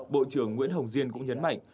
bộ trưởng nguyễn hồng diên cũng nhấn mạnh